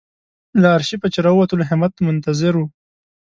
له آرشیفه چې راووتلو همت منتظر و.